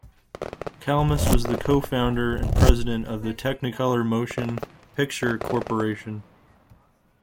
Kalmus was the co-founder and president of the Technicolor Motion Picture Corporation.